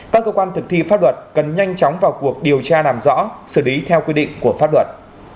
các cơ quan thực thi pháp luật cần nhanh chóng vào cuộc điều tra làm rõ xử lý theo quy định của pháp luật